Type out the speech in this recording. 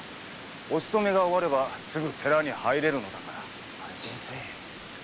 お勤めが終わればすぐ寺に入れるのだから安心せい。